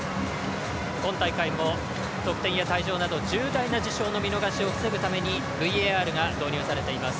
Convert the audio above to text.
今大会も得点や会場など重大な事象の見逃しを防ぐためにＶＡＲが導入されています。